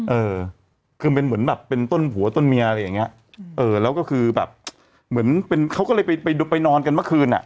เออคือเป็นเหมือนแบบเป็นต้นผัวต้นเมียอะไรอย่างเงี้ยเออแล้วก็คือแบบเหมือนเป็นเขาก็เลยไปไปดูไปนอนกันเมื่อคืนอ่ะ